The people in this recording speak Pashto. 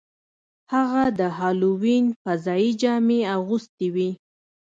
هغه د هالووین فضايي جامې اغوستې وې